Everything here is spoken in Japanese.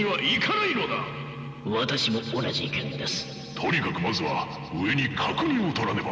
とにかくまずは上に確認をとらねば。